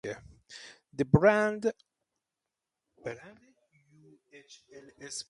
The brand "uhlsport" specialises in football, especially goalkeeper equipment.